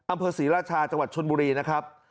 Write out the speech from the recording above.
อำเภอศรีราชาจังหวัดชนบุรีนะครับ